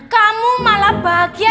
kamu malah bahagia